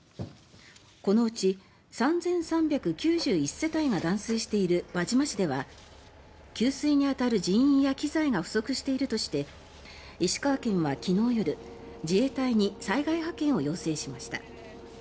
このうち３３９１世帯が断水している輪島市では給水に当たる人員や機材が不足しているとして石川県は昨日夜、自衛隊に災害派遣を要請しました。